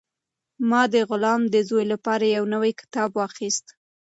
ما د غلام د زوی لپاره یو نوی کتاب واخیست.